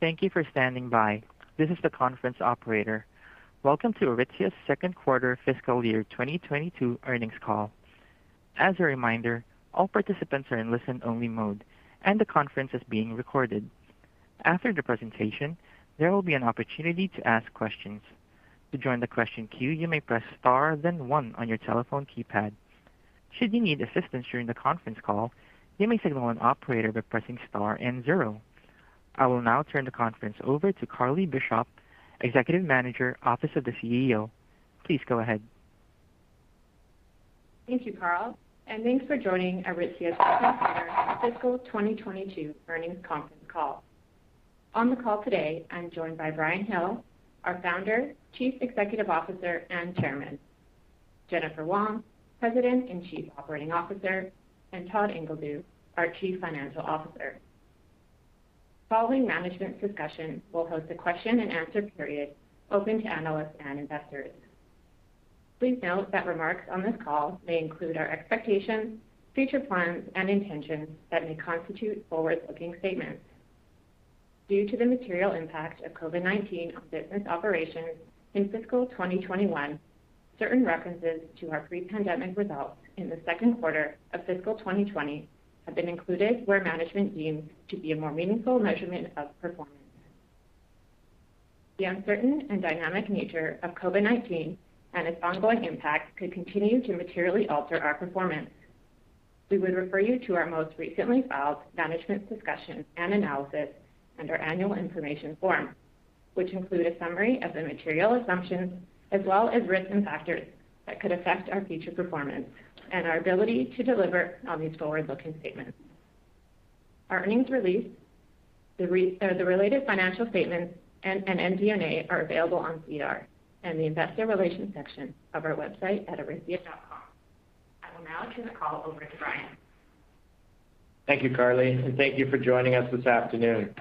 Thank you for standing by. This is the conference operator. Welcome to Aritzia's Second Quarter Fiscal Year 2022 Earnings Call. As a reminder, all participants are in listen only mode, and the conference is being recorded. After the presentation, there will be an opportunity to ask questions. To join the question queue, you may press star then one on your telephone keypad. Should you need assistance during the conference call, you may signal an operator by pressing star and zero. I will now turn the conference over to Carly Bishop, Executive Manager, Office of the CEO. Please go ahead. Thank you, Carl, and thanks for joining Aritzia's second quarter fiscal 2022 earnings conference call. On the call today, I'm joined by Brian Hill, our Founder, Chief Executive Officer, and Chairman, Jennifer Wong, President and Chief Operating Officer, and Todd Ingledew, our Chief Financial Officer. Following management's discussion, we'll host a question and answer period open to analysts and investors. Please note that remarks on this call may include our expectations, future plans and intentions that may constitute forward-looking statements. Due to the material impact of COVID-19 on business operations in fiscal 2021, certain references to our pre-pandemic results in the second quarter of fiscal 2020 have been included where management deems to be a more meaningful measurement of performance. The uncertain and dynamic nature of COVID-19 and its ongoing impact could continue to materially alter our performance. We would refer you to our most recently filed management discussion and analysis and our annual information form, which include a summary of the material assumptions as well as risks and factors that could affect our future performance and our ability to deliver on these forward-looking statements. Our earnings release, the related financial statements, and MD&A are available on SEDAR in the investor relations section of our website at aritzia.com. I will now turn the call over to Brian. Thank you, Carly, and thank you for joining us this afternoon.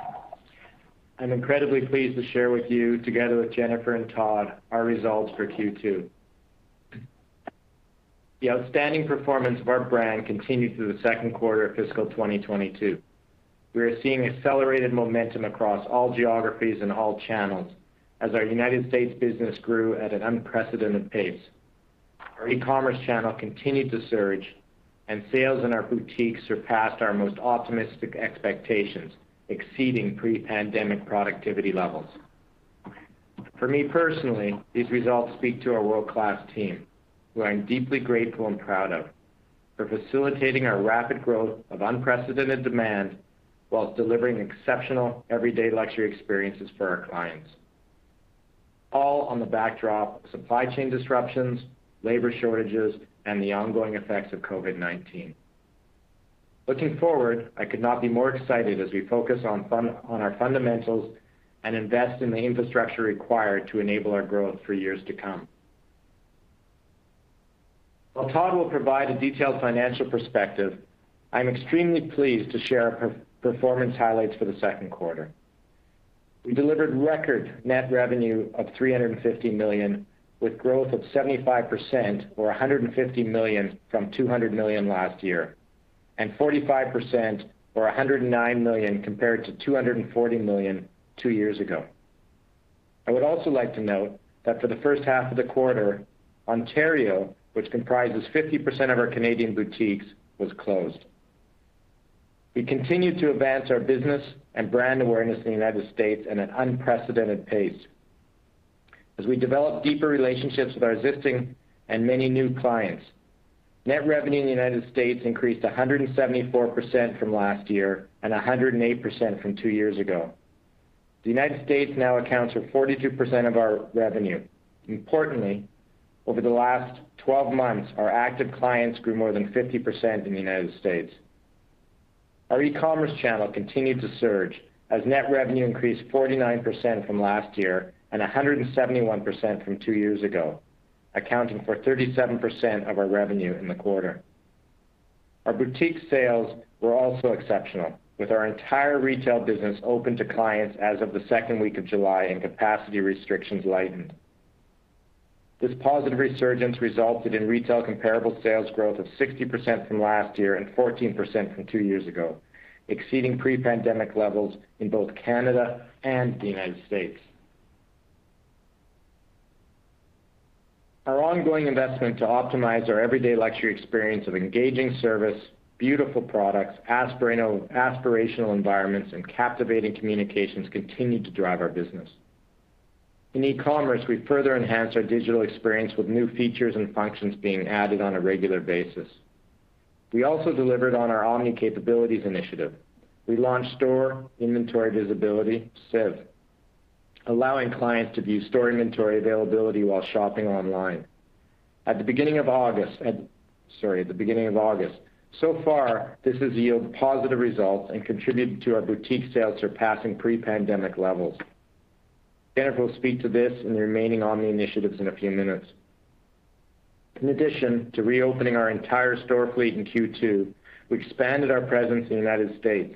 I'm incredibly pleased to share with you, together with Jennifer and Todd, our results for Q2. The outstanding performance of our brand continued through the second quarter of fiscal 2022. We are seeing accelerated momentum across all geographies and all channels as our U.S. business grew at an unprecedented pace. Our e-commerce channel continued to surge, and sales in our boutiques surpassed our most optimistic expectations, exceeding pre-pandemic productivity levels. For me personally, these results speak to our world-class team, who I'm deeply grateful and proud of for facilitating our rapid growth of unprecedented demand while delivering exceptional everyday luxury experiences for our clients, all on the backdrop of supply chain disruptions, labor shortages, and the ongoing effects of COVID-19. Looking forward, I could not be more excited as we focus on our fundamentals and invest in the infrastructure required to enable our growth for years to come. While Todd will provide a detailed financial perspective, I am extremely pleased to share our performance highlights for the second quarter. We delivered record net revenue of 350 million, with growth of 75%, or 150 million from 200 million last year, and 45%, or 109 million, compared to 240 million two years ago. I would also like to note that for the first half of the quarter, Ontario, which comprises 50% of our Canadian boutiques, was closed. We continued to advance our business and brand awareness in the United States at an unprecedented pace as we developed deeper relationships with our existing and many new clients. Net revenue in the U.S. increased 174% from last year and 108% from two years ago. The U.S. now accounts for 42% of our revenue. Importantly, over the last 12 months, our active clients grew more than 50% in the U.S. Our e-commerce channel continued to surge as net revenue increased 49% from last year and 171% from two years ago, accounting for 37% of our revenue in the quarter. Our boutique sales were also exceptional, with our entire retail business open to clients as of the second week of July, and capacity restrictions lightened. This positive resurgence resulted in retail comparable sales growth of 60% from last year and 14% from two years ago, exceeding pre-pandemic levels in both Canada and the U.S. Our ongoing investment to optimize our everyday luxury experience of engaging service, beautiful products, aspirational environments, and captivating communications continued to drive our business. In e-commerce, we further enhanced our digital experience with new features and functions being added on a regular basis. We also delivered on our omni-capabilities initiative. We launched store inventory visibility, SIV, allowing clients to view store inventory availability while shopping online. At the beginning of August, so far, this has yielded positive results and contributed to our boutique sales surpassing pre-pandemic levels. Jennifer will speak to this and the remaining omni initiatives in a few minutes. In addition to reopening our entire store fleet in Q2, we expanded our presence in the United States.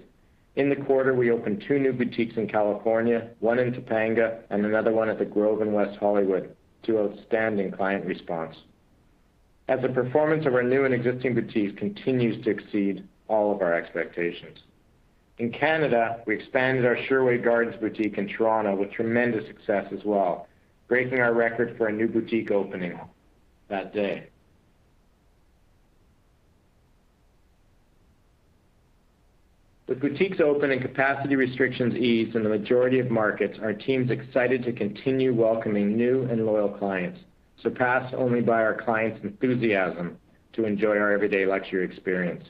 In the quarter, we opened two new boutiques in California, one in Topanga and another one at The Grove in West Hollywood, to outstanding client response. The performance of our new and existing boutiques continues to exceed all of our expectations. In Canada, we expanded our Sherway Gardens boutique in Toronto with tremendous success as well, breaking our record for a new boutique opening that day. With boutiques open and capacity restrictions eased in the majority of markets, our team's excited to continue welcoming new and loyal clients, surpassed only by our clients' enthusiasm to enjoy our everyday luxury experience.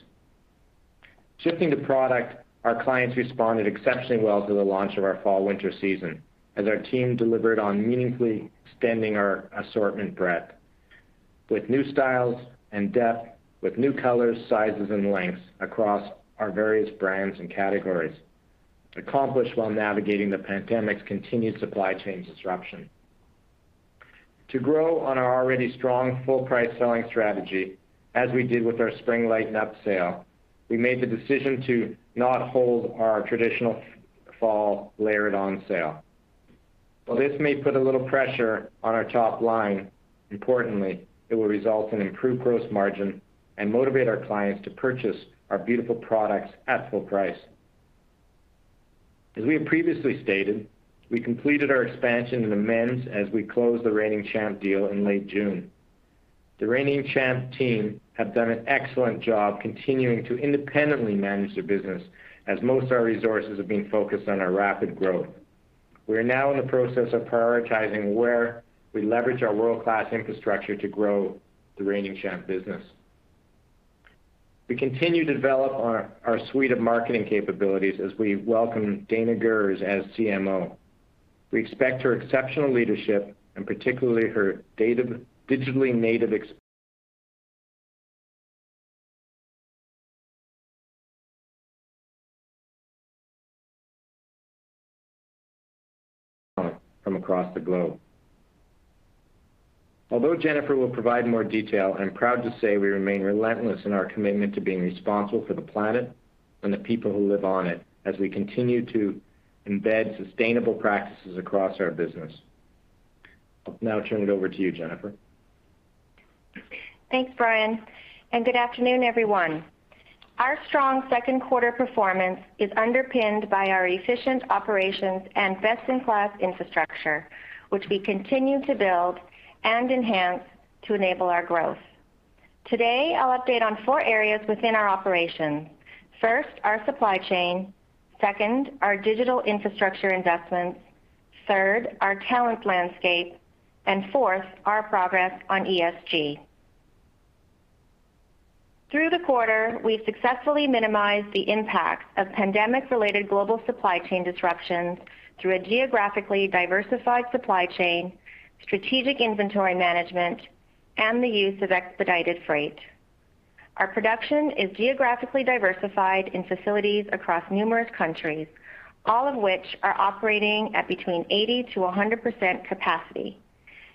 Shifting to product, our clients responded exceptionally well to the launch of our fall/winter season, as our team delivered on meaningfully extending our assortment breadth. With new styles and depth, with new colors, sizes, and lengths across our various brands and categories, accomplished while navigating the pandemic's continued supply chain disruption. To grow on our already strong full price selling strategy, as we did with our Spring Lighten Up Sale, we made the decision to not hold our traditional Fall Layer It On Sale. While this may put a little pressure on our top line, importantly, it will result in improved gross margin and motivate our clients to purchase our beautiful products at full price. As we have previously stated, we completed our expansion in the men's as we closed the Reigning Champ deal in late June. The Reigning Champ team have done an excellent job continuing to independently manage their business, as most of our resources are being focused on our rapid growth. We are now in the process of prioritizing where we leverage our world-class infrastructure to grow the Reigning Champ business. We continue to develop our suite of marketing capabilities as we welcome Dana Gers as CMO. We expect her exceptional leadership and particularly her digitally native ex- from across the globe. Although Jennifer will provide more detail, I'm proud to say we remain relentless in our commitment to being responsible for the planet and the people who live on it as we continue to embed sustainable practices across our business. I'll now turn it over to you, Jennifer. Thanks, Brian, and good afternoon, everyone. Our strong second quarter performance is underpinned by our efficient operations and best-in-class infrastructure, which we continue to build and enhance to enable our growth. Today, I'll update on four areas within our operations. First, our supply chain. Second, our digital infrastructure investments. Third, our talent landscape. Fourth, our progress on ESG. Through the quarter, we've successfully minimized the impact of pandemic-related global supply chain disruptions through a geographically diversified supply chain, strategic inventory management, and the use of expedited freight. Our production is geographically diversified in facilities across numerous countries, all of which are operating at between 80%-100% capacity,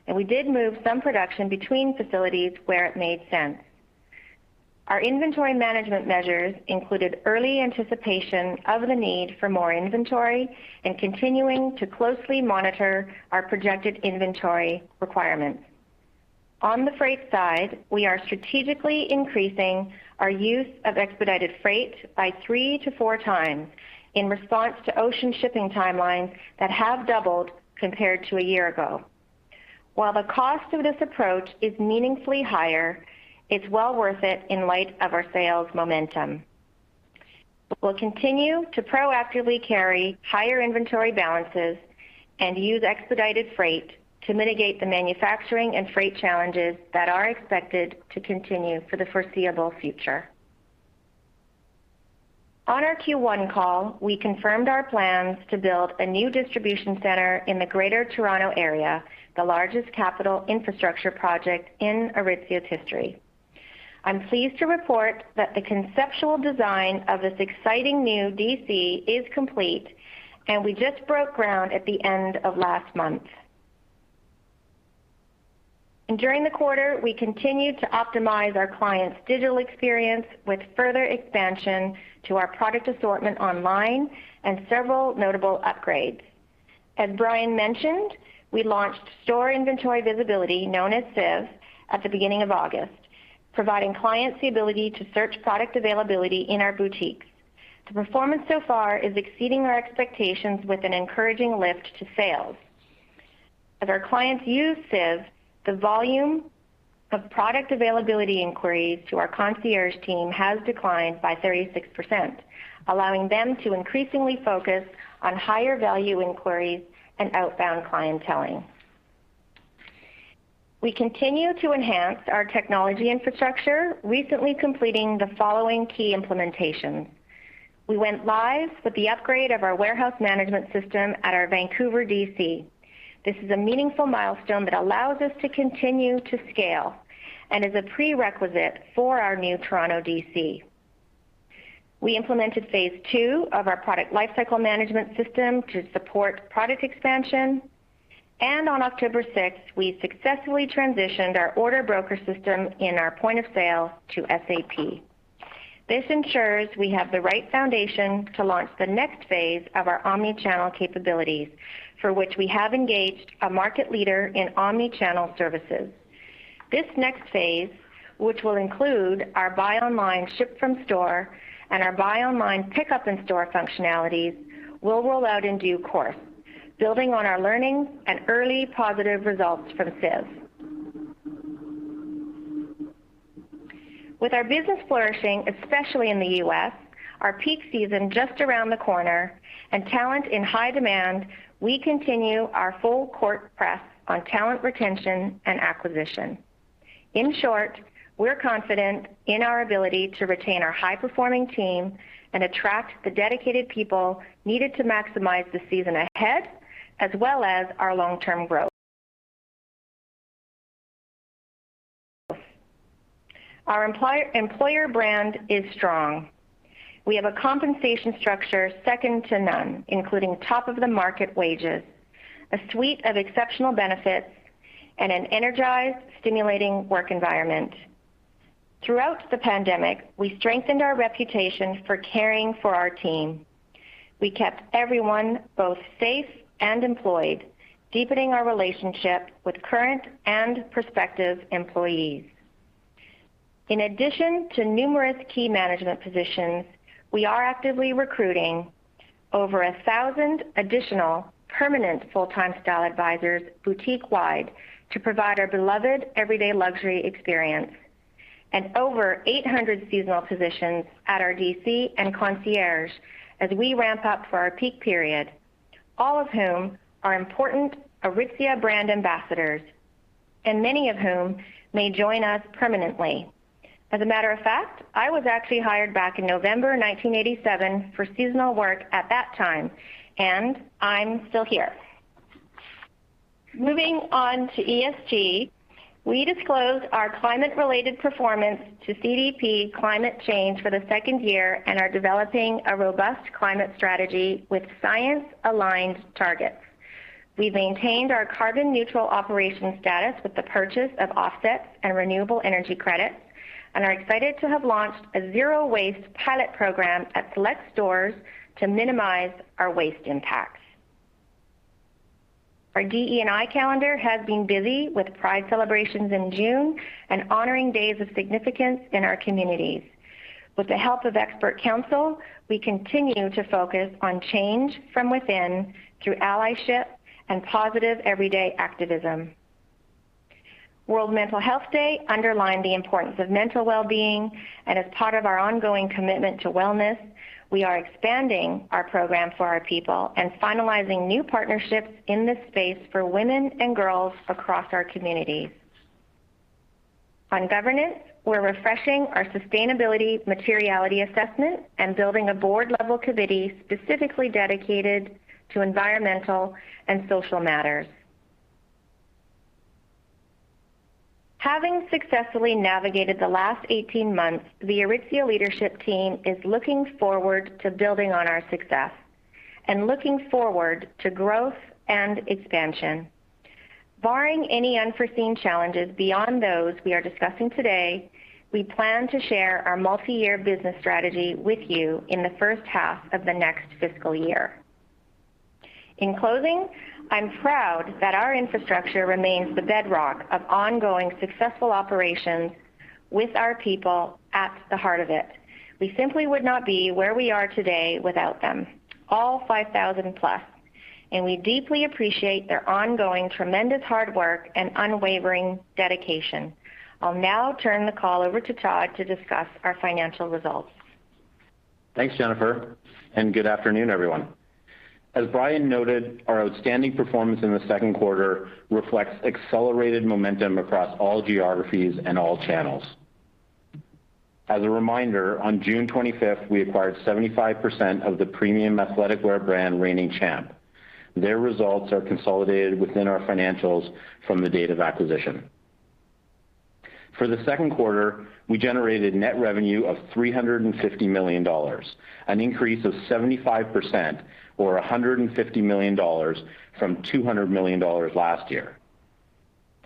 and we did move some production between facilities where it made sense. Our inventory management measures included early anticipation of the need for more inventory and continuing to closely monitor our projected inventory requirements. On the freight side, we are strategically increasing our use of expedited freight by three to four times in response to ocean shipping timelines that have doubled compared to a year ago. While the cost of this approach is meaningfully higher, it's well worth it in light of our sales momentum. We'll continue to proactively carry higher inventory balances and use expedited freight to mitigate the manufacturing and freight challenges that are expected to continue for the foreseeable future. On our Q1 call, we confirmed our plans to build a new distribution center in the Greater Toronto Area, the largest capital infrastructure project in Aritzia's history. I'm pleased to report that the conceptual design of this exciting new DC is complete, and we just broke ground at the end of last month. During the quarter, we continued to optimize our clients' digital experience with further expansion to our product assortment online and several notable upgrades. As Brian mentioned, we launched store inventory visibility, known as SIV, at the beginning of August, providing clients the ability to search product availability in our boutiques. The performance so far is exceeding our expectations with an encouraging lift to sales. As our clients use SIV, the volume of product availability inquiries to our concierge team has declined by 36%, allowing them to increasingly focus on higher value inquiries and outbound clienteling. We continue to enhance our technology infrastructure, recently completing the following key implementations. We went live with the upgrade of our warehouse management system at our Vancouver D.C. This is a meaningful milestone that allows us to continue to scale and is a prerequisite for our new Toronto D.C. We implemented phase two of our product lifecycle management system to support product expansion. On October 6th, we successfully transitioned our order broker system in our point of sale to SAP. This ensures we have the right foundation to launch the next phase of our omni-channel capabilities, for which we have engaged a market leader in omni-channel services. This next phase, which will include our buy online, ship from store, and our buy online, pickup in store functionalities, will roll out in due course, building on our learnings and early positive results from SIV. With our business flourishing, especially in the U.S., our peak season just around the corner, and talent in high demand, we continue our full-court press on talent retention and acquisition. In short, we're confident in our ability to retain our high-performing team and attract the dedicated people needed to maximize the season ahead, as well as our long-term growth. Our employer brand is strong. We have a compensation structure second to none, including top of the market wages, a suite of exceptional benefits, and an energized, stimulating work environment. Throughout the pandemic, we strengthened our reputation for caring for our team. We kept everyone both safe and employed, deepening our relationship with current and prospective employees. In addition to numerous key management positions, we are actively recruiting over 1,000 additional permanent full-time style advisors boutique-wide to provide our beloved everyday luxury experience, and over 800 seasonal positions at our DC and concierge as we ramp up for our peak period, all of whom are important Aritzia brand ambassadors, and many of whom may join us permanently. As a matter of fact, I was actually hired back in November 1987 for seasonal work at that time, and I'm still here. Moving on to ESG, we disclosed our climate-related performance to CDP Climate Change for the second year and are developing a robust climate strategy with science-aligned targets. We maintained our carbon neutral operation status with the purchase of offsets and renewable energy credits and are excited to have launched a zero-waste pilot program at select stores to minimize our waste impacts. Our DE&I calendar has been busy with Pride celebrations in June and honoring days of significance in our communities. With the help of expert counsel, we continue to focus on change from within through allyship and positive everyday activism. World Mental Health Day underlined the importance of mental wellbeing, and as part of our ongoing commitment to wellness, we are expanding our program for our people and finalizing new partnerships in this space for women and girls across our communities. On governance, we are refreshing our sustainability materiality assessment and building a board-level committee specifically dedicated to environmental and social matters. Having successfully navigated the last 18 months, the Aritzia leadership team is looking forward to building on our success and looking forward to growth and expansion. Barring any unforeseen challenges beyond those we are discussing today, we plan to share our multi-year business strategy with you in the first half of the next fiscal year. In closing, I am proud that our infrastructure remains the bedrock of ongoing successful operations with our people at the heart of it. We simply would not be where we are today without them, all 5,000+, and we deeply appreciate their ongoing tremendous hard work and unwavering dedication. I will now turn the call over to Todd to discuss our financial results. Thanks, Jennifer. Good afternoon, everyone. As Brian noted, our outstanding performance in the second quarter reflects accelerated momentum across all geographies and all channels. As a reminder, on June 25th, we acquired 75% of the premium athletic wear brand Reigning Champ. Their results are consolidated within our financials from the date of acquisition. For the second quarter, we generated net revenue of 350 million dollars, an increase of 75% or 150 million dollars from 200 million dollars last year,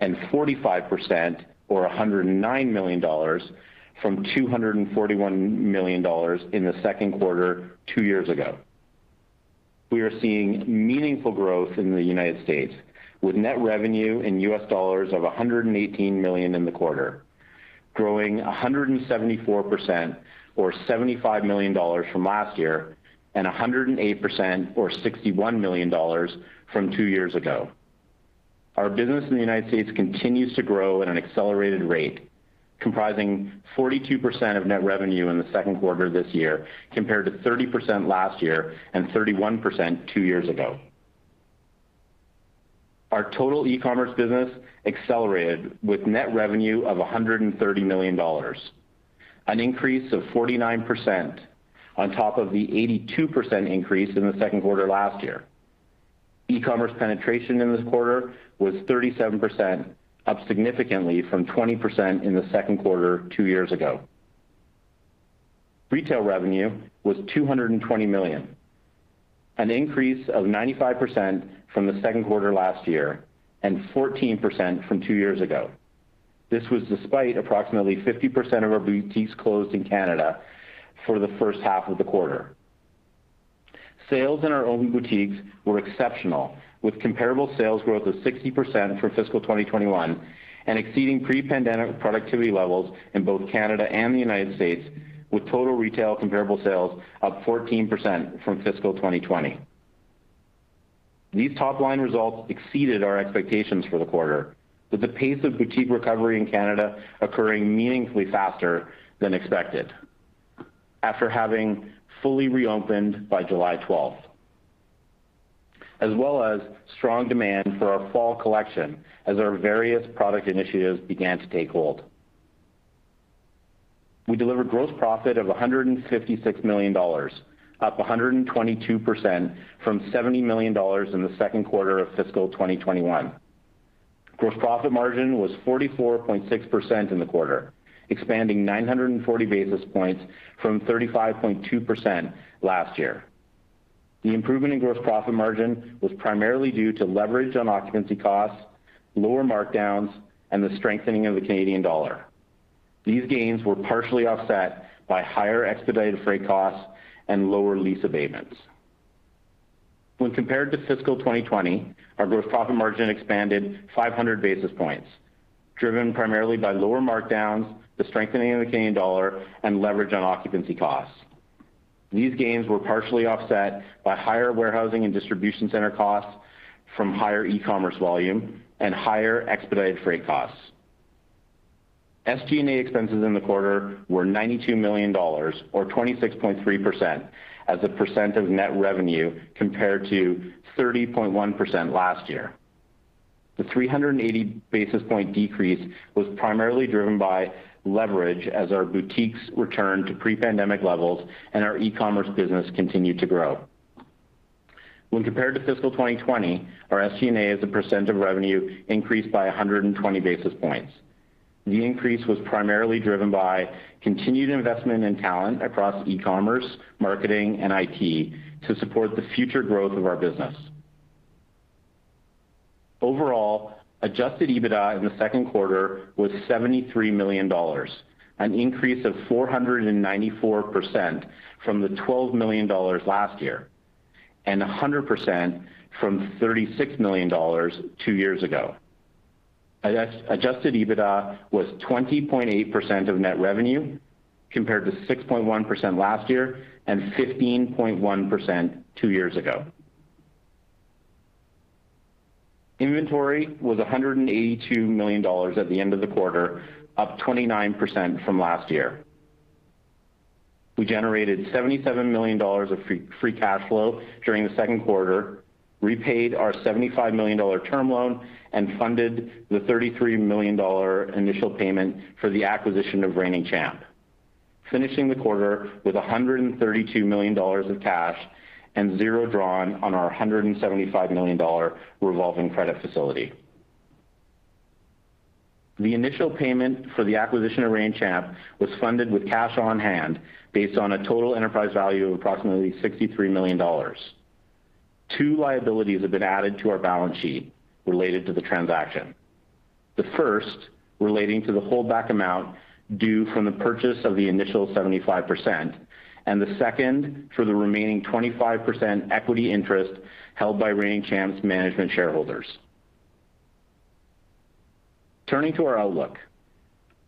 and 45% or 109 million dollars from 241 million dollars in the second quarter two years ago. We are seeing meaningful growth in the U.S., with net revenue in US dollars of $118 million in the quarter, growing 174% or $75 million from last year, and 108% or $61 million from two years ago. Our business in the U.S. continues to grow at an accelerated rate, comprising 42% of net revenue in the second quarter this year, compared to 30% last year and 31% two years ago. Our total e-commerce business accelerated with net revenue of 130 million dollars, an increase of 49% on top of the 82% increase in the second quarter last year. E-commerce penetration in this quarter was 37%, up significantly from 20% in the second quarter two years ago. Retail revenue was 220 million. An increase of 95% from the second quarter last year and 14% from two years ago. This was despite approximately 50% of our boutiques closed in Canada for the first half of the quarter. Sales in our own boutiques were exceptional, with comparable sales growth of 60% for fiscal 2021 and exceeding pre-pandemic productivity levels in both Canada and the U.S., with total retail comparable sales up 14% from fiscal 2020. These top-line results exceeded our expectations for the quarter, with the pace of boutique recovery in Canada occurring meaningfully faster than expected, after having fully reopened by July 12th, as well as strong demand for our fall collection as our various product initiatives began to take hold. We delivered gross profit of 156 million dollars, up 122% from 70 million dollars in the second quarter of fiscal 2021. Gross profit margin was 44.6% in the quarter, expanding 940 basis points from 35.2% last year. The improvement in gross profit margin was primarily due to leverage on occupancy costs, lower markdowns, and the strengthening of the Canadian dollar. These gains were partially offset by higher expedited freight costs and lower lease abatements. When compared to fiscal 2020, our gross profit margin expanded 500 basis points, driven primarily by lower markdowns, the strengthening of the Canadian dollar, and leverage on occupancy costs. These gains were partially offset by higher warehousing and distribution center costs from higher e-commerce volume and higher expedited freight costs. SG&A expenses in the quarter were 92 million dollars or 26.3% as a percent of net revenue, compared to 30.1% last year. The 380 basis point decrease was primarily driven by leverage as our boutiques returned to pre-pandemic levels and our e-commerce business continued to grow. When compared to fiscal 2020, our SG&A as a percent of revenue increased by 120 basis points. The increase was primarily driven by continued investment in talent across e-commerce, marketing, and IT to support the future growth of our business. Overall, adjusted EBITDA in the second quarter was 73 million dollars, an increase of 494% from the 12 million dollars last year, and 100% from 36 million dollars two years ago. Adjusted EBITDA was 20.8% of net revenue, compared to 6.1% last year and 15.1% two years ago. Inventory was 182 million dollars at the end of the quarter, up 29% from last year. We generated 77 million dollars of free cash flow during the second quarter, repaid our 75 million dollar term loan, and funded the 33 million dollar initial payment for the acquisition of Reigning Champ, finishing the quarter with 132 million dollars of cash and zero drawn on our CAD 175 million revolving credit facility. The initial payment for the acquisition of Reigning Champ was funded with cash on hand based on a total enterprise value of approximately 63 million dollars. Two liabilities have been added to our balance sheet related to the transaction. The first, relating to the holdback amount due from the purchase of the initial 75%, and the second for the remaining 25% equity interest held by Reigning Champ's management shareholders. Turning to our outlook.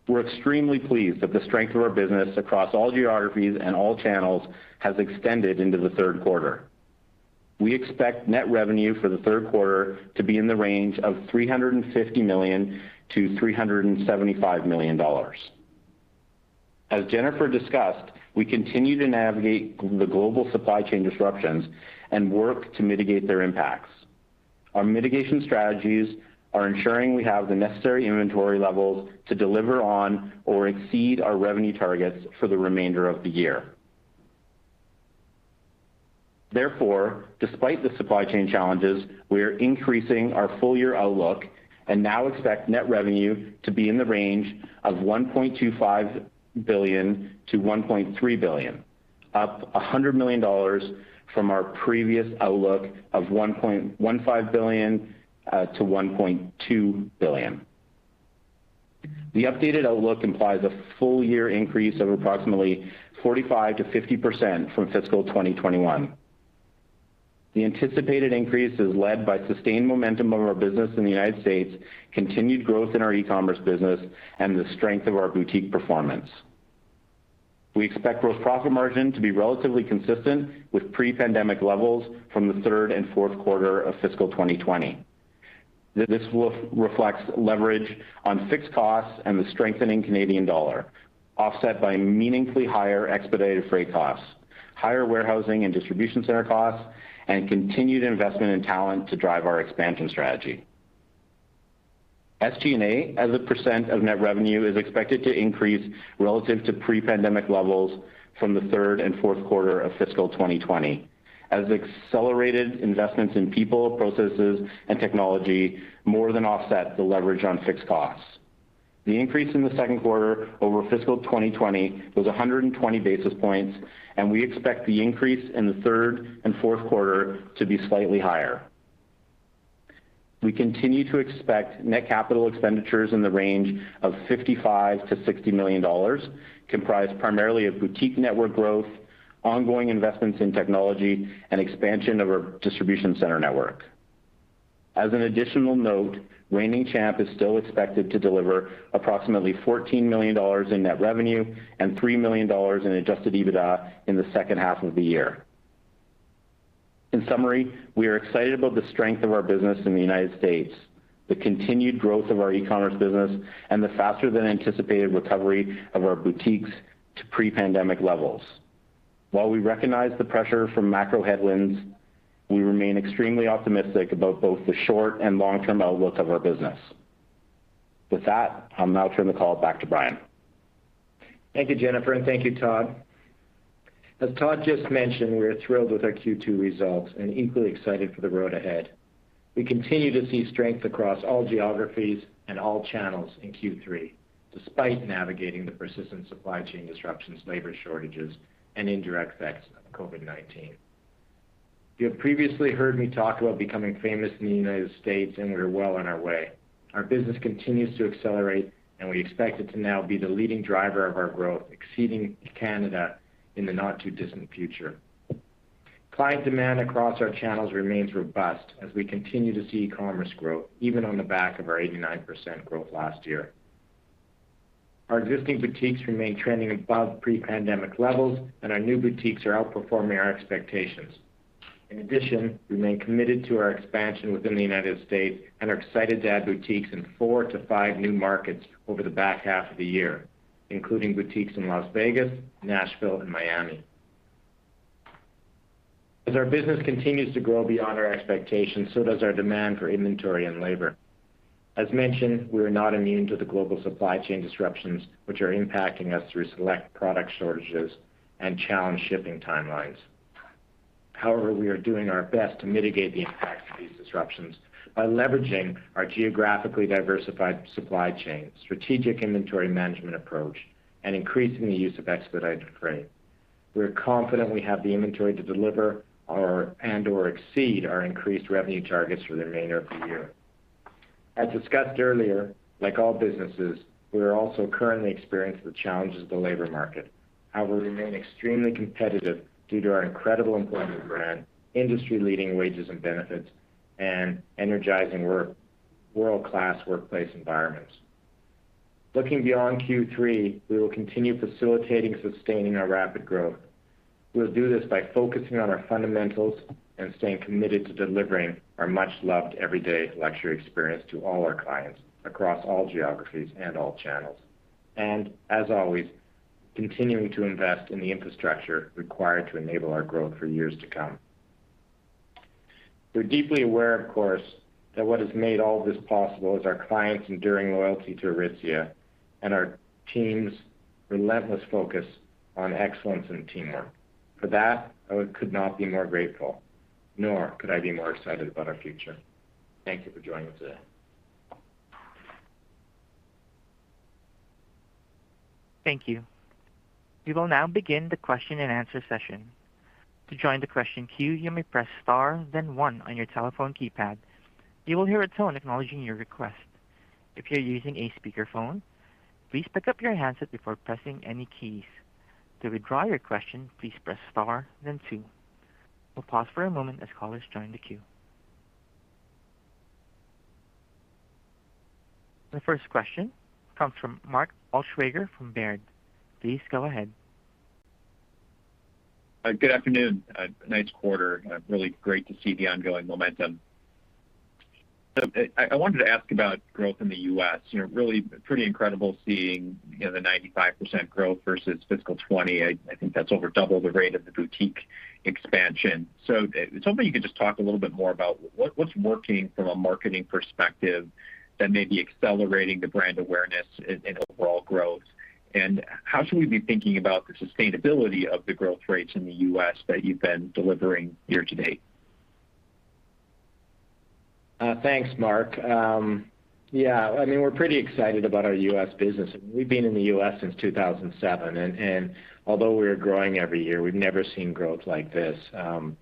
We're extremely pleased that the strength of our business across all geographies and all channels has extended into the third quarter. We expect net revenue for the third quarter to be in the range of 350 million-375 million dollars. As Jennifer discussed, we continue to navigate the global supply chain disruptions and work to mitigate their impacts. Our mitigation strategies are ensuring we have the necessary inventory levels to deliver on or exceed our revenue targets for the remainder of the year. Despite the supply chain challenges, we are increasing our full-year outlook and now expect net revenue to be in the range of 1.25 billion-1.3 billion, up 100 million dollars from our previous outlook of 1.15 billion-1.2 billion. The updated outlook implies a full-year increase of approximately 45%-50% from fiscal 2021. The anticipated increase is led by sustained momentum of our business in the United States, continued growth in our e-commerce business, and the strength of our boutique performance. We expect gross profit margin to be relatively consistent with pre-pandemic levels from the third and fourth quarter of fiscal 2020. This reflects leverage on fixed costs and the strengthening Canadian dollar, offset by meaningfully higher expedited freight costs, higher warehousing and distribution center costs, and continued investment in talent to drive our expansion strategy. SG&A as a percent of net revenue is expected to increase relative to pre-pandemic levels from the third and fourth quarter of fiscal 2020, as accelerated investments in people, processes, and technology more than offset the leverage on fixed costs. The increase in the second quarter over fiscal 2020 was 120 basis points, and we expect the increase in the third and fourth quarter to be slightly higher. We continue to expect net capital expenditures in the range of 55 million-60 million dollars, comprised primarily of boutique network growth, ongoing investments in technology, and expansion of our distribution center network. As an additional note, Reigning Champ is still expected to deliver approximately 14 million dollars in net revenue and 3 million dollars in adjusted EBITDA in the second half of the year. In summary, we are excited about the strength of our business in the U.S., the continued growth of our e-commerce business, and the faster than anticipated recovery of our boutiques to pre-pandemic levels. While we recognize the pressure from macro headwinds, we remain extremely optimistic about both the short and long-term outlook of our business. With that, I'll now turn the call back to Brian. Thank you, Jennifer, and thank you, Todd. As Todd just mentioned, we are thrilled with our Q2 results and equally excited for the road ahead. We continue to see strength across all geographies and all channels in Q3, despite navigating the persistent supply chain disruptions, labor shortages, and indirect effects of COVID-19. You have previously heard me talk about becoming famous in the U.S., and we are well on our way. Our business continues to accelerate, and we expect it to now be the leading driver of our growth, exceeding Canada in the not too distant future. Client demand across our channels remains robust as we continue to see e-commerce growth even on the back of our 89% growth last year. Our existing boutiques remain trending above pre-pandemic levels, and our new boutiques are outperforming our expectations. In addition, we remain committed to our expansion within the United States and are excited to add boutiques in four to five new markets over the back half of the year, including boutiques in Las Vegas, Nashville, and Miami. As our business continues to grow beyond our expectations, so does our demand for inventory and labor. As mentioned, we are not immune to the global supply chain disruptions, which are impacting us through select product shortages and challenged shipping timelines. However, we are doing our best to mitigate the impact of these disruptions by leveraging our geographically diversified supply chain, strategic inventory management approach, and increasing the use of expedited freight. We're confident we have the inventory to deliver and/or exceed our increased revenue targets for the remainder of the year. As discussed earlier, like all businesses, we are also currently experiencing the challenges of the labor market. However, we remain extremely competitive due to our incredible employment brand, industry-leading wages and benefits, and energizing world-class workplace environments. Looking beyond Q3, we will continue facilitating sustaining our rapid growth. We'll do this by focusing on our fundamentals and staying committed to delivering our much-loved everyday luxury experience to all our clients across all geographies and all channels. As always, continuing to invest in the infrastructure required to enable our growth for years to come. We're deeply aware, of course, that what has made all this possible is our clients' enduring loyalty to Aritzia and our team's relentless focus on excellence and teamwork. For that, I could not be more grateful, nor could I be more excited about our future. Thank you for joining us today. Thank you. We will now begin the question and answer session. The first question comes from Mark Altschwager from Baird. Please go ahead. Good afternoon. A nice quarter. Really great to see the ongoing momentum. I wanted to ask about growth in the U.S. Really pretty incredible seeing the 95% growth versus fiscal 2020. I think that's over double the rate of the boutique expansion. I was hoping you could just talk a little bit more about what's working from a marketing perspective that may be accelerating the brand awareness and overall growth, and how should we be thinking about the sustainability of the growth rates in the U.S. that you've been delivering year-to-date? Thanks, Mark. Yeah, we're pretty excited about our U.S. business. We've been in the U.S. since 2007, and although we're growing every year, we've never seen growth like this. I've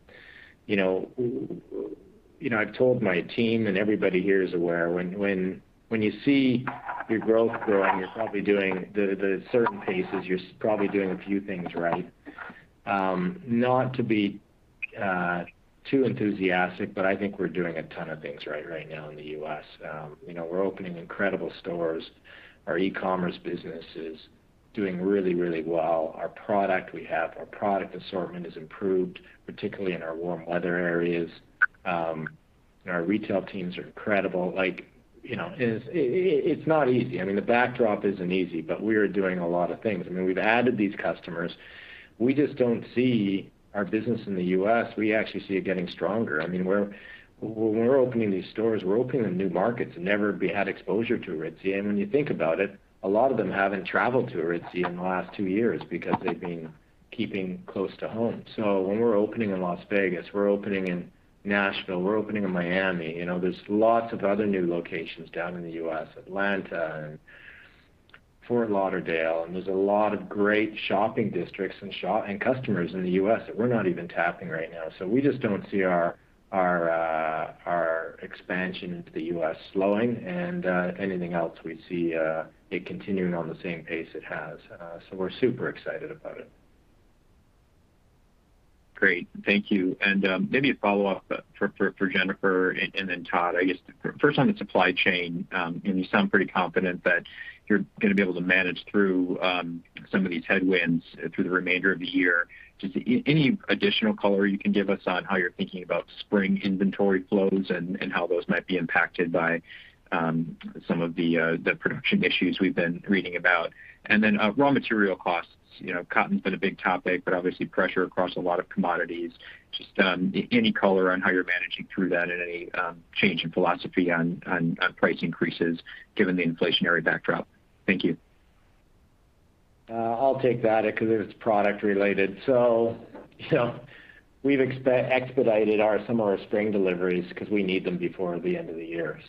told my team, and everybody here is aware, when you see your growth growing, you're probably doing the certain paces, you're probably doing a few things right. Not to be too enthusiastic, but I think we're doing a ton of things right right now in the U.S. We're opening incredible stores. Our e-commerce business is doing really, really well. Our product assortment has improved, particularly in our warm weather areas. Our retail teams are incredible. It's not easy. The backdrop isn't easy, but we are doing a lot of things. We've added these customers. We just don't see our business in the U.S., we actually see it getting stronger. When we're opening these stores, we're opening in new markets that never had exposure to Aritzia. When you think about it, a lot of them haven't traveled to Aritzia in the last two years because they've been keeping close to home. When we're opening in Las Vegas, we're opening in Nashville, we're opening in Miami. There's lots of other new locations down in the U.S., Atlanta, and Fort Lauderdale. There's a lot of great shopping districts and customers in the U.S. that we're not even tapping right now. We just don't see our expansion into the U.S. slowing. Anything else, we see it continuing on the same pace it has. We're super excited about it. Great. Thank you. Maybe a follow-up for Jennifer and then Todd. I guess, first on the supply chain, you sound pretty confident that you're going to be able to manage through some of these headwinds through the remainder of the year. Just any additional color you can give us on how you're thinking about spring inventory flows and how those might be impacted by some of the production issues we've been reading about. Raw material costs. Cotton's been a big topic, obviously pressure across a lot of commodities. Just any color on how you're managing through that and any change in philosophy on price increases given the inflationary backdrop. Thank you. I'll take that because it's product related. We've expedited some of our spring deliveries because we need them before the end of the year.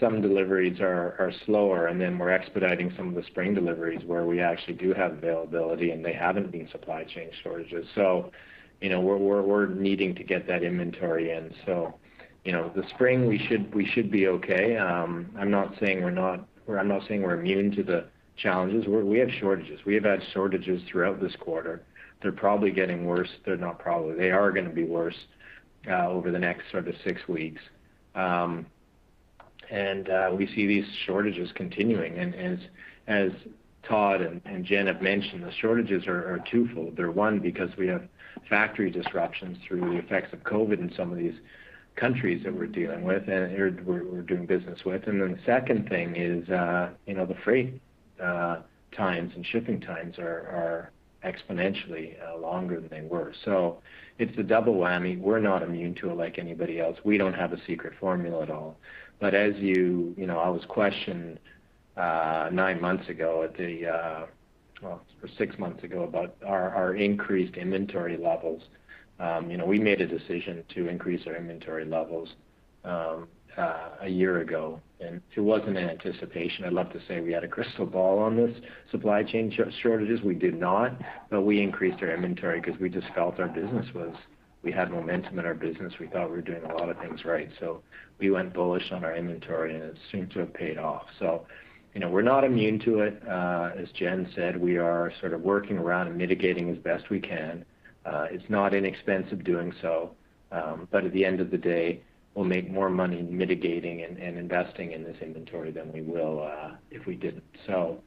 Some deliveries are slower, and we're expediting some of the spring deliveries where we actually do have availability, and they haven't been supply chain shortages. We're needing to get that inventory in. The spring we should be okay. I'm not saying we're immune to the challenges. We have shortages. We have had shortages throughout this quarter. They're probably getting worse. They're not probably. They are going to be worse over the next sort of six weeks. We see these shortages continuing and as Todd and Jen have mentioned, the shortages are two-fold. They're, one, because we have factory disruptions through the effects of COVID in some of these countries that we're dealing with and we're doing business with. The second thing is the freight times and shipping times are exponentially longer than they were. It's a double whammy. We're not immune to it like anybody else. We don't have a secret formula at all. I was questioned six months ago about our increased inventory levels. We made a decision to increase our inventory levels one year ago, it wasn't in anticipation. I'd love to say we had a crystal ball on this supply chain shortages. We did not, we increased our inventory because we just felt we had momentum in our business. We thought we were doing a lot of things right. We went bullish on our inventory, it seemed to have paid off. We're not immune to it. As Jen said, we are sort of working around and mitigating as best we can. It's not inexpensive doing so. At the end of the day, we'll make more money mitigating and investing in this inventory than we will if we didn't. It's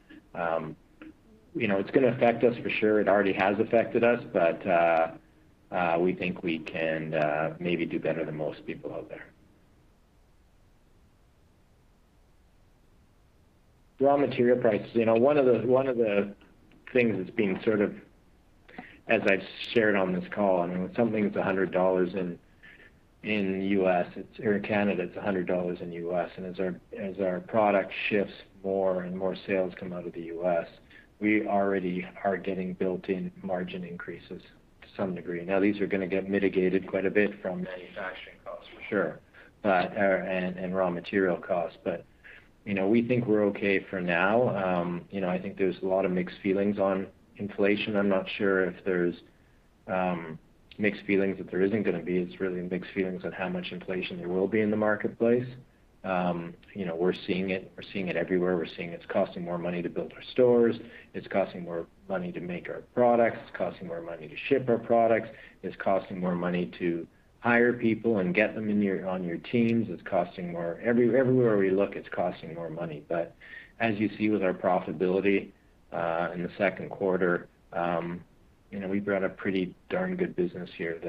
going to affect us for sure. It already has affected us, we think we can maybe do better than most people out there. Raw material prices. One of the things that's been sort of, as I've shared on this call, when something's 100 dollars in Canada, it's $100 in U.S. As our product shifts more and more sales come out of the U.S., we already are getting built-in margin increases to some degree. Now, these are going to get mitigated quite a bit from manufacturing costs for sure, and raw material costs. We think we're okay for now. I think there's a lot of mixed feelings on inflation. I'm not sure if there's mixed feelings that there isn't going to be, it's really mixed feelings on how much inflation there will be in the marketplace. We're seeing it. We're seeing it everywhere. We're seeing it's costing more money to build our stores. It's costing more money to make our products. It's costing more money to ship our products. It's costing more money to hire people and get them on your teams. Everywhere we look, it's costing more money. As you see with our profitability, in the second quarter, we've got a pretty darn good business here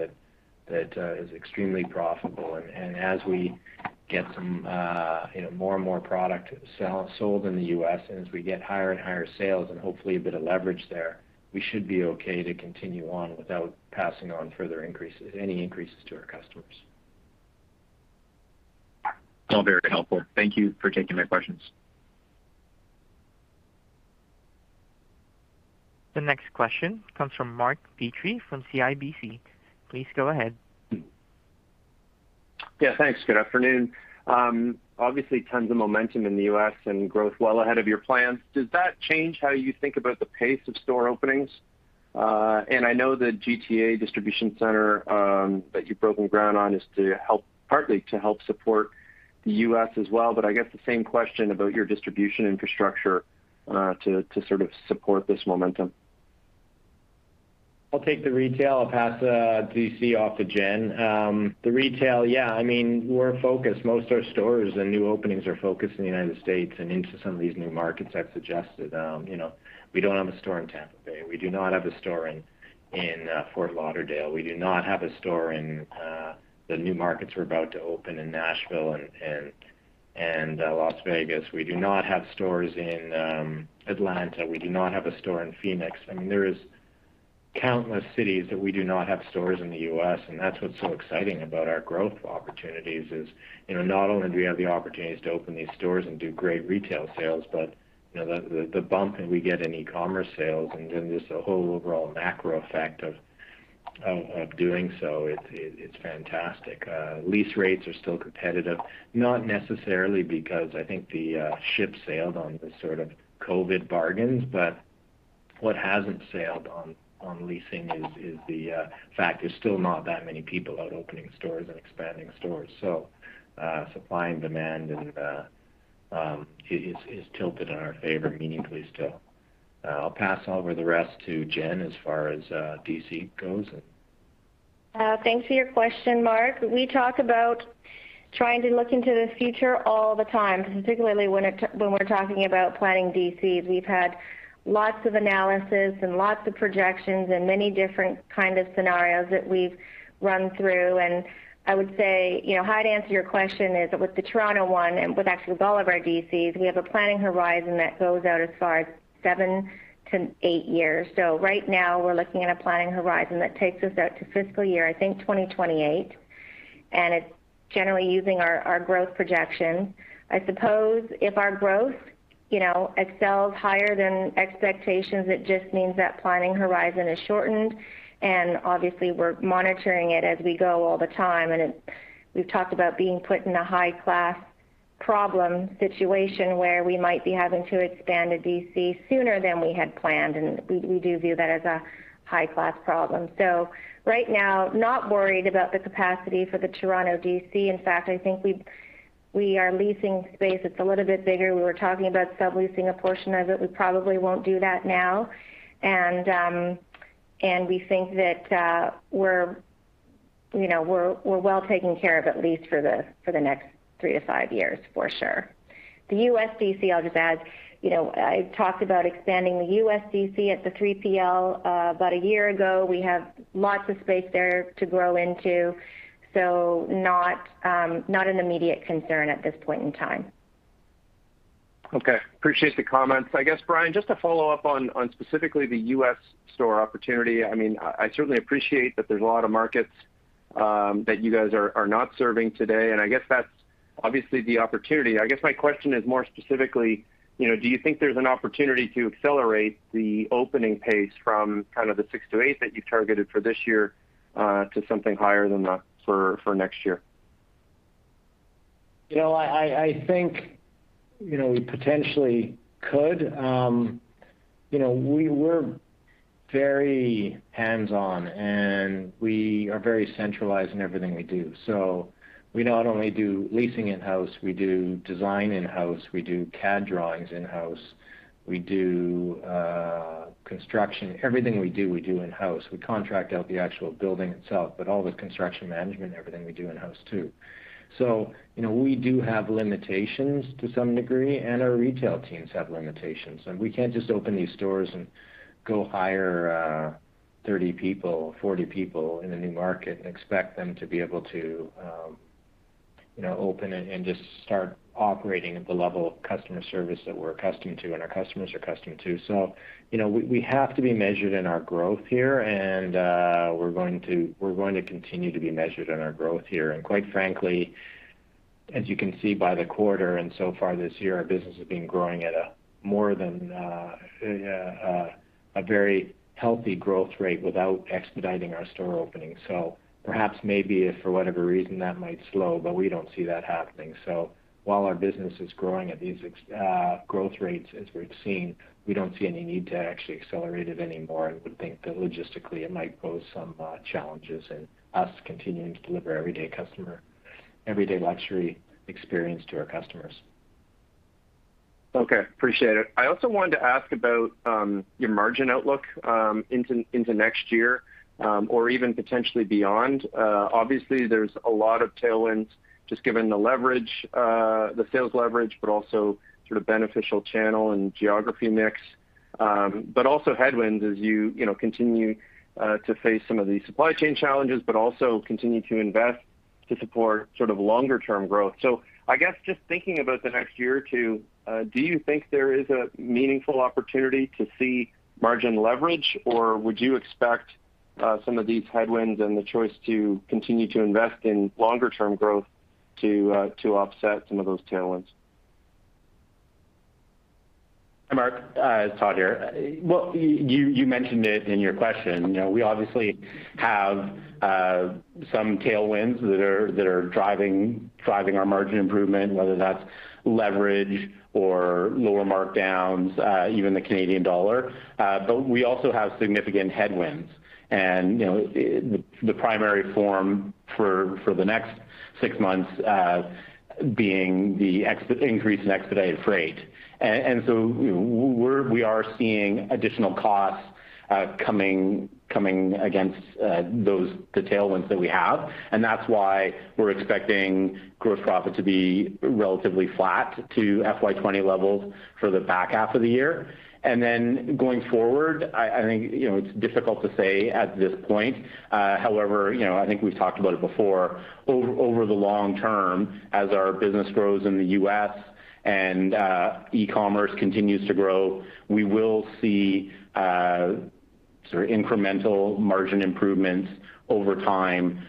that is extremely profitable. As we get some more and more product sold in the U.S., and as we get higher and higher sales and hopefully a bit of leverage there, we should be okay to continue on without passing on further increases, any increases to our customers. All very helpful. Thank you for taking my questions. The next question comes from Mark Petrie from CIBC. Please go ahead. Yeah, thanks. Good afternoon. Obviously tons of momentum in the U.S. and growth well ahead of your plans. Does that change how you think about the pace of store openings? I know the GTA distribution center that you've broken ground on is partly to help support the U.S. as well, but I guess the same question about your distribution infrastructure to sort of support this momentum. I'll take the retail. I'll pass DC off to Jen. The retail, yeah. We're focused. Most our stores and new openings are focused in the United States and into some of these new markets I've suggested. We don't have a store in Tampa Bay. We do not have a store in Fort Lauderdale. We do not have a store in the new markets we're about to open in Nashville and Las Vegas. We do not have stores in Atlanta. We do not have a store in Phoenix. Countless cities that we do not have stores in the U.S., and that's what's so exciting about our growth opportunities is, not only do we have the opportunities to open these stores and do great retail sales, but the bump that we get in e-commerce sales and then just the whole overall macro effect of doing so, it's fantastic. Lease rates are still competitive, not necessarily because I think the ship sailed on the sort of COVID bargains, but what hasn't sailed on leasing is the fact there's still not that many people out opening stores and expanding stores. Supply and demand is tilted in our favor meaningfully still. I'll pass over the rest to Jen as far as DC goes. Thanks for your question, Mark. We talk about trying to look into the future all the time, particularly when we're talking about planning DCs. We've had lots of analysis and lots of projections and many different kind of scenarios that we've run through. I would say, how I'd answer your question is with the Toronto one and with actually with all of our DCs, we have a planning horizon that goes out as far as seven to eight years. Right now, we're looking at a planning horizon that takes us out to fiscal year, I think, 2028, and it's generally using our growth projections. I suppose if our growth excels higher than expectations, it just means that planning horizon is shortened, and obviously, we're monitoring it as we go all the time. We've talked about being put in a high-class problem situation where we might be having to expand a DC sooner than we had planned, and we do view that as a high-class problem. Right now, not worried about the capacity for the Toronto DC. In fact, I think we are leasing space that's a little bit bigger. We were talking about subleasing a portion of it. We probably won't do that now. We think that we're well taken care of, at least for the next three to five years, for sure. The U.S. DC, I'll just add, I talked about expanding the U.S. DC at the 3PL about one year ago. We have lots of space there to grow into, so not an immediate concern at this point in time. Okay. Appreciate the comments. I guess, Brian, just to follow up on specifically the U.S. store opportunity. I certainly appreciate that there's a lot of markets that you guys are not serving today. I guess that's obviously the opportunity. I guess my question is more specifically, do you think there's an opportunity to accelerate the opening pace from kind of the six to eight that you targeted for this year, to something higher than that for next year? I think, we potentially could. We're very hands-on, and we are very centralized in everything we do. We not only do leasing in-house, we do design in-house, we do CAD drawings in-house, we do construction. Everything we do, we do in-house. We contract out the actual building itself, but all the construction management, everything we do in-house, too. We do have limitations to some degree, and our retail teams have limitations, and we can't just open these stores and go hire 30 people, 40 people in a new market and expect them to be able to open and just start operating at the level of customer service that we're accustomed to and our customers are accustomed to. We have to be measured in our growth here, and we're going to continue to be measured in our growth here. Quite frankly, as you can see by the quarter and so far this year, our business has been growing at a more than a very healthy growth rate without expediting our store openings. Perhaps, maybe if for whatever reason that might slow, but we don't see that happening. While our business is growing at these growth rates as we've seen, we don't see any need to actually accelerate it anymore and would think that logistically it might pose some challenges in us continuing to deliver everyday luxury experience to our customers. Okay. Appreciate it. I also wanted to ask about your margin outlook into next year, or even potentially beyond. Obviously, there's a lot of tailwinds just given the leverage, the sales leverage, but also sort of beneficial channel and geography mix. But also headwinds as you continue to face some of these supply chain challenges, but also continue to invest to support sort of longer term growth. I guess just thinking about the next year or two, do you think there is a meaningful opportunity to see margin leverage, or would you expect some of these headwinds and the choice to continue to invest in longer-term growth to offset some of those tailwinds? Mark, Todd here. Well, you mentioned it in your question. We obviously have some tailwinds that are driving our margin improvement, whether that's leverage or lower markdowns, even the Canadian dollar. We also have significant headwinds and the primary form for the next six months being the increase in expedited freight. We are seeing additional costs coming against the tailwinds that we have, and that's why we're expecting gross profit to be relatively flat to FY20 levels for the back half of the year. Going forward, I think it's difficult to say at this point. However, I think we've talked about it before, over the long term, as our business grows in the U.S. and e-commerce continues to grow, we will see. Sort of incremental margin improvements over time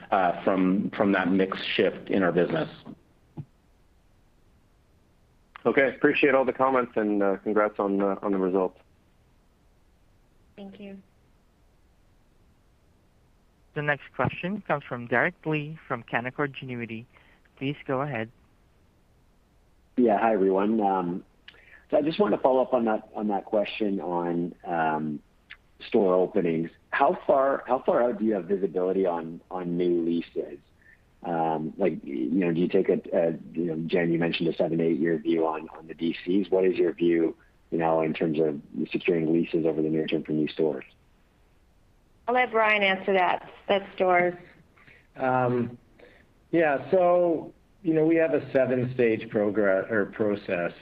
from that mix shift in our business. Okay. Appreciate all the comments and congrats on the results. Thank you. The next question comes from Derek Dley from Canaccord Genuity. Please go ahead. Yeah. Hi, everyone. I just wanted to follow up on that question on store openings. How far out do you have visibility on new leases? Jen, you mentioned a seven, eight-year view on the DCs. What is your view now in terms of securing leases over the near term for new stores? I'll let Brian answer that. That's stores. Yeah. We have a seven-stage process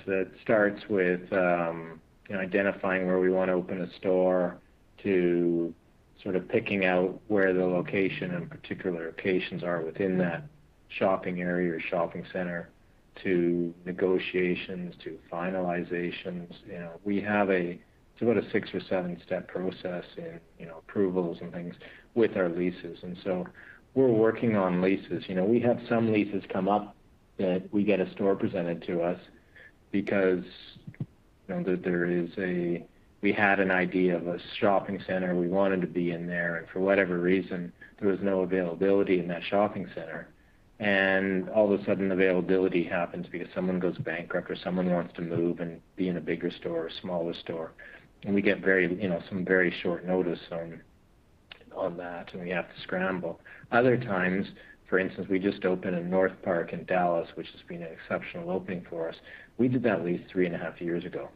that starts with identifying where we want to open a store, to sort of picking out where the location and particular locations are within that shopping area or shopping center, to negotiations, to finalizations. We have about a six or seven-step process in approvals and things with our leases. We're working on leases. We have some leases come up that we get a store presented to us because we had an idea of a shopping center, and we wanted to be in there, and for whatever reason, there was no availability in that shopping center. All of a sudden, availability happens because someone goes bankrupt or someone wants to move and be in a bigger store or a smaller store. We get some very short notice on that, and we have to scramble. Other times, for instance, we just opened in NorthPark in Dallas, which has been an exceptional opening for us. We did that lease three and a half years ago.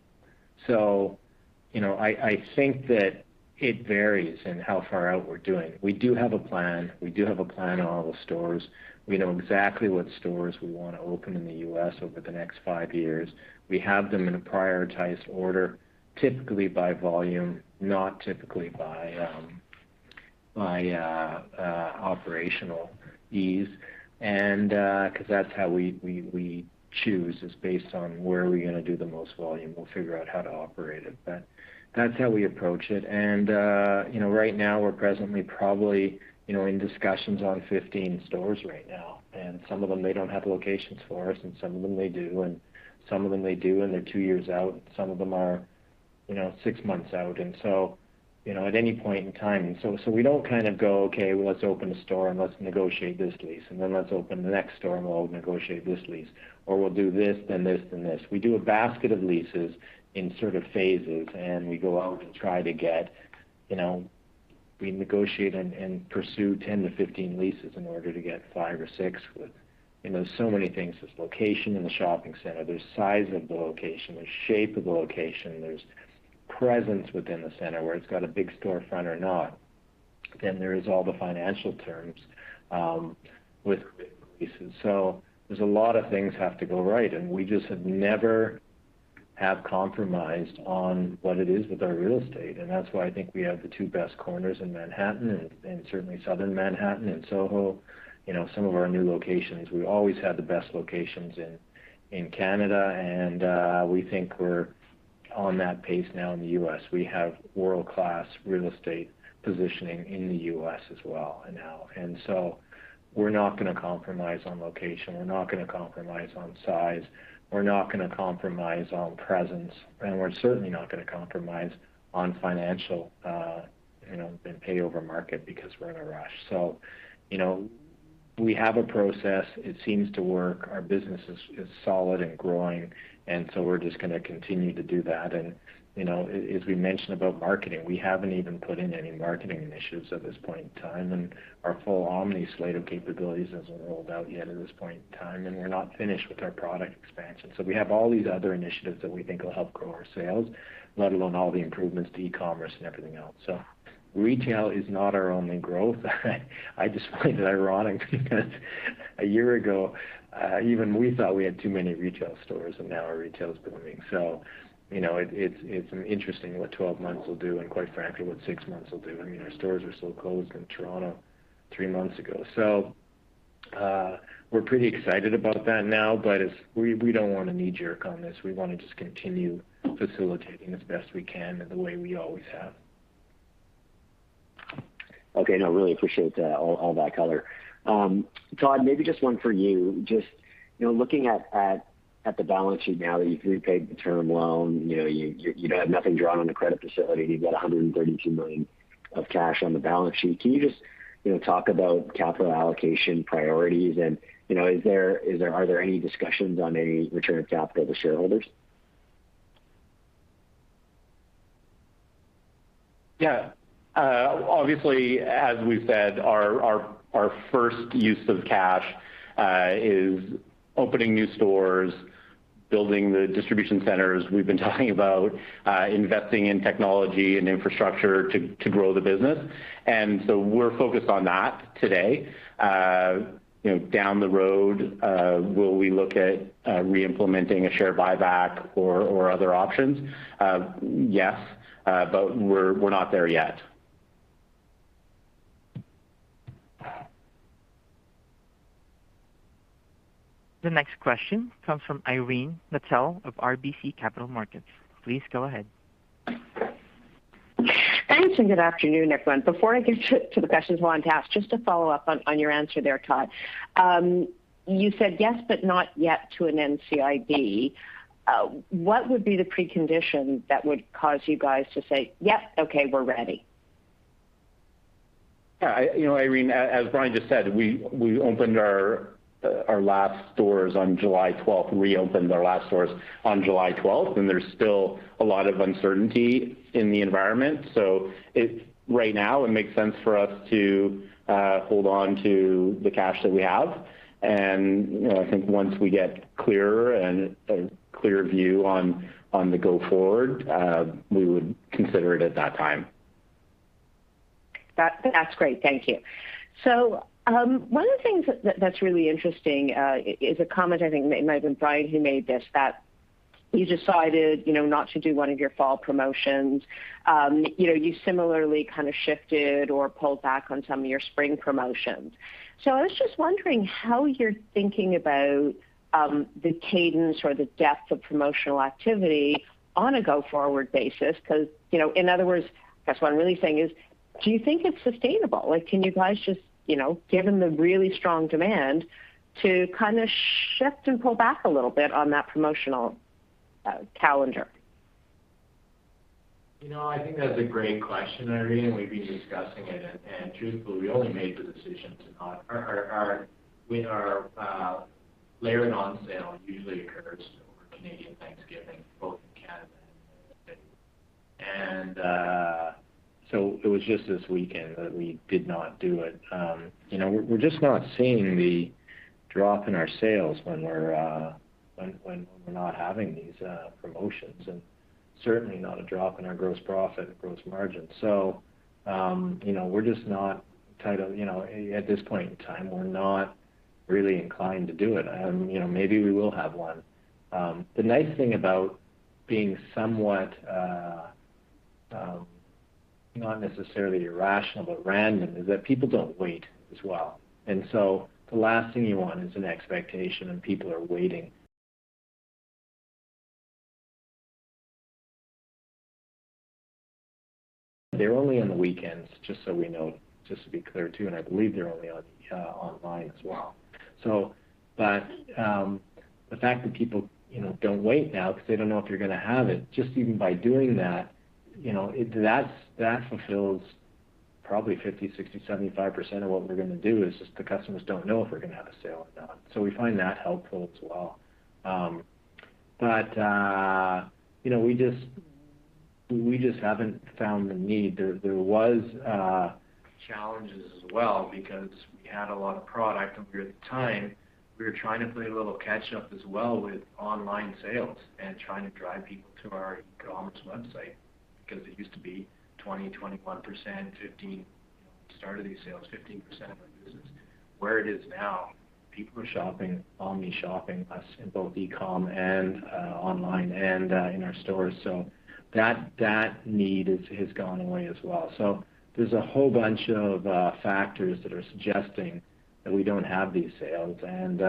I think that it varies in how far out we're doing. We do have a plan. We do have a plan on all the stores. We know exactly what stores we want to open in the U.S. over the next five years. We have them in a prioritized order, typically by volume, not typically by operational ease. That's how we choose, is based on where are we going to do the most volume. We'll figure out how to operate it, that's how we approach it. Right now, we're presently probably in discussions on 15 stores right now, and some of them, they don't have locations for us, and some of them they do. Some of them they do, and they're two years out. Some of them are six months out. At any point in time we don't kind of go, okay, well, let's open a store and let's negotiate this lease, and then let's open the next store, and we'll negotiate this lease, or we'll do this, then this, then this. We do a basket of leases in sort of phases, and we go out and we negotiate and pursue 10-15 leases in order to get five or six. There's so many things. There's location in the shopping center, there's size of the location, there's shape of the location, there's presence within the center, where it's got a big storefront or not. There's all the financial terms with the leases. There's a lot of things have to go right, and we just never compromised on what it is with our real estate. That's why I think we have the two best corners in Manhattan and certainly Southern Manhattan and SoHo, some of our new locations. We always had the best locations in Canada, and we think we're on that pace now in the U.S. We have world-class real estate positioning in the U.S. as well now. We're not going to compromise on location. We're not going to compromise on size. We're not going to compromise on presence, and we're certainly not going to compromise on financial and pay over market because we're in a rush. We have a process. It seems to work. Our business is solid and growing, and so we're just going to continue to do that. As we mentioned about marketing, we haven't even put in any marketing initiatives at this point in time, our full omni slate of capabilities isn't rolled out yet at this point in time, and we're not finished with our product expansion. We have all these other initiatives that we think will help grow our sales, let alone all the improvements to e-commerce and everything else. Retail is not our only growth. I just find it ironic because one year ago, even we thought we had too many retail stores, and now our retail is booming. It's interesting what 12 months will do and, quite frankly, what 6 months will do. I mean, our stores were still closed in Toronto three months ago. We're pretty excited about that now, but we don't want to knee-jerk on this. We want to just continue facilitating as best we can in the way we always have. No, really appreciate all that color. Todd, maybe just one for you. Just looking at the balance sheet now that you've repaid the term loan, you have nothing drawn on the credit facility, and you've got 132 million of cash on the balance sheet. Can you just talk about capital allocation priorities, and are there any discussions on any return of capital to shareholders? Yeah. Obviously, as we've said, our first use of cash is opening new stores, building the distribution centers we've been talking about, investing in technology and infrastructure to grow the business, and so we're focused on that today. Down the road, will we look at re-implementing a share buyback or other options? Yes, but we're not there yet. The next question comes from Irene Nattel of RBC Capital Markets. Please go ahead. Thanks, good afternoon, everyone. Before I get to the questions I wanted to ask, just to follow up on your answer there, Todd. You said yes, but not yet to an NCIB. What would be the precondition that would cause you guys to say, yep, okay, we're ready? Yeah. Irene, as Brian just said, we reopened our last stores on July 12th, and there's still a lot of uncertainty in the environment. Right now it makes sense for us to hold on to the cash that we have, and I think once we get clearer and a clear view on the go forward, we would consider it at that time. That's great. Thank you. One of the things that's really interesting is a comment, I think it might've been Brian who made this, that you decided not to do one of your fall promotions. You similarly kind of shifted or pulled back on some of your spring promotions. I was just wondering how you're thinking about the cadence or the depth of promotional activity on a go-forward basis, because, in other words, I guess what I'm really saying is, do you think it's sustainable? Can you guys just, given the really strong demand, to kind of shift and pull back a little bit on that promotional calendar? I think that's a great question, Irene Nattel, and we've been discussing it, and truthfully, we only made the decision to not Our layered on sale usually occurs over Canadian Thanksgiving, both in Canada and the States. It was just this weekend that we did not do it. We're just not seeing the drop in our sales when we're not having these promotions, and certainly not a drop in our gross profit and gross margin. At this point in time, we're not really inclined to do it. Maybe we will have one. The nice thing about being somewhat, not necessarily irrational, but random, is that people don't wait as well. The last thing you want is an expectation and people are waiting. They're only on the weekends, just so we know, just to be clear, too, and I believe they're only online as well. The fact that people don't wait now because they don't know if you're going to have it, just even by doing that fulfills probably 50%, 60%, 75% of what we're going to do is just the customers don't know if we're going to have a sale or not. We find that helpful as well. We just haven't found the need. There was challenges as well because we had a lot of product, and during the time, we were trying to play a little catch up as well with online sales and trying to drive people to our e-commerce website because it used to be 20%, 21%, 15, start of these sales, 15% of our business. Where it is now, people are shopping, omni-shopping us in both e-com and online and in our stores. That need has gone away as well. There's a whole bunch of factors that are suggesting that we don't have these sales and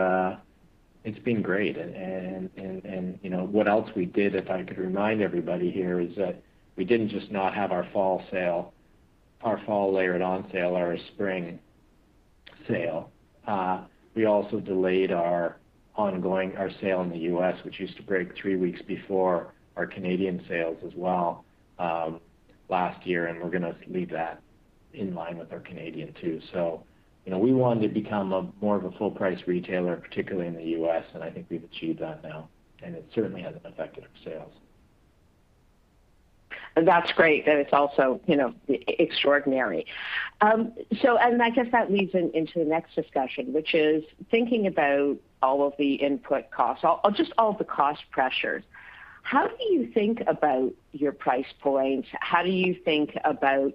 it's been great. What else we did, if I could remind everybody here, is that we didn't just not have our fall sale, our fall layered on sale or our spring sale. We also delayed our sale in the U.S., which used to break three weeks before our Canadian sales as well last year, and we're going to leave that in line with our Canadian too. We wanted to become more of a full-price retailer, particularly in the U.S., and I think we've achieved that now, and it certainly hasn't affected our sales. That's great. That is also extraordinary. I guess that leads into the next discussion, which is thinking about all of the input costs or just all of the cost pressures. How do you think about your price points? How do you think about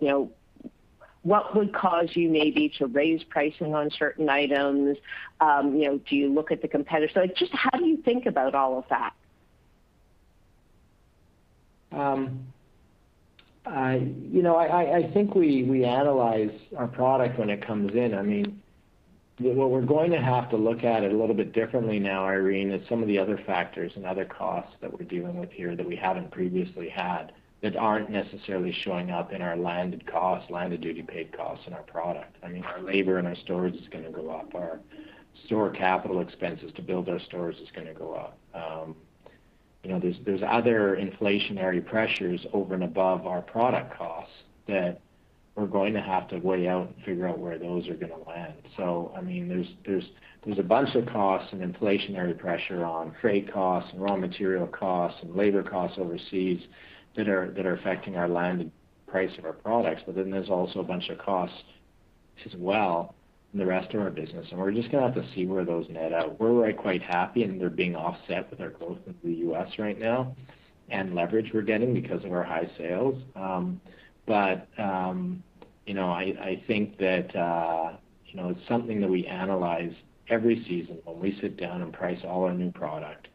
what would cause you maybe to raise pricing on certain items? Do you look at the competitor? Just how do you think about all of that? I think we analyze our product when it comes in. What we're going to have to look at it a little bit differently now, Irene, is some of the other factors and other costs that we're dealing with here that we haven't previously had that aren't necessarily showing up in our landed cost, landed duty paid costs in our product. Our labor and our storage is going to go up. Our store capital expenses to build our stores is going to go up. There's other inflationary pressures over and above our product costs that we're going to have to weigh out and figure out where those are going to land. There's a bunch of costs and inflationary pressure on freight costs and raw material costs and labor costs overseas that are affecting our landed price of our products. There's also a bunch of costs as well in the rest of our business, and we're just going to have to see where those net out. We're quite happy, and they're being offset with our growth into the US right now and leverage we're getting because of our high sales. I think that it's something that we analyze every season when we sit down and price all our new product.